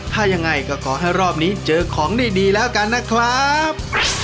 ถ้ายังไงก็ขอให้รอบนี้เจอของดีแล้วกันนะครับ